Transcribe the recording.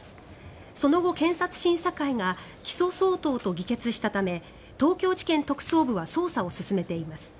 その後、検察審査会が起訴相当と議決したため東京地検特捜部は捜査を進めています。